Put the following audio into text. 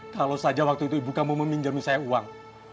kalau saja waktu itu ibu kamu meminjami saya uang